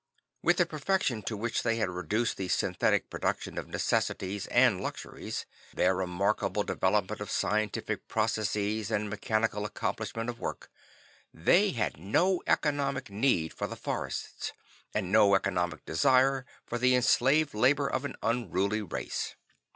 With the perfection to which they had reduced the synthetic production of necessities and luxuries, their remarkable development of scientific processes and mechanical accomplishment of work, they had no economic need for the forests, and no economic desire for the enslaved labor of an unruly race.